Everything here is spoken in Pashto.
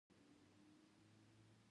جلګه د افغانستان د سیلګرۍ برخه ده.